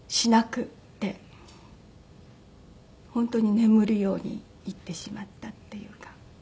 本当に眠るように逝ってしまったっていうか。